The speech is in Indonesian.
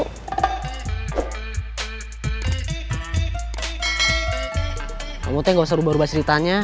kamu tuh gak usah rubah rubah ceritanya